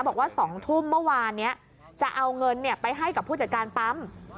บอกว่า๒ทุ่มเมื่อวานนี้จะเอาเงินไปให้กับผู้จัดการปั๊ม